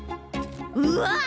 うわっ！